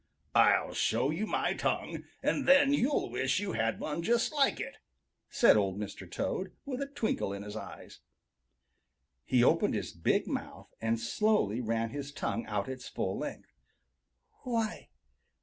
"I'll show you my tongue, and then you'll wish you had one just like it," said Old Mr. Toad, with a twinkle in his eyes. He opened his big mouth and slowly ran his tongue out its full length. "Why!